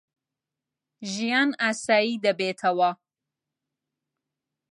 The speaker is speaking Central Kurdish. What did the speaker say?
ژیان ئاسایی دەبێتەوە.